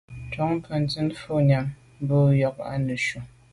Njon benntùn fa boa nyàm num mbwôg i neshu.